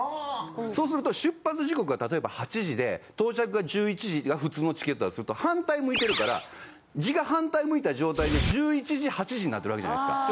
そうすると出発時刻が例えば８時で到着が１１時が普通のチケットだとすると反対向いてるから字が反対向いた状態で１１時８時になってるわけじゃないですか。